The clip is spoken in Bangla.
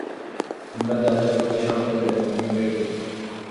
আমরা যা যা করেছি, সব বলে দেবো আমি ওদেরকে।